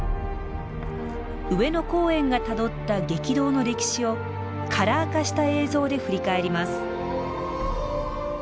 上野公園がたどった激動の歴史をカラー化した映像で振り返ります。